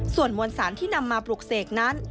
ส่วนมวลสารที่นำมาปลูกเสกนั้น